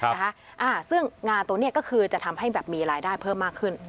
นะคะอ่าซึ่งงานตัวนี้ก็คือจะทำให้แบบมีรายได้เพิ่มมากขึ้น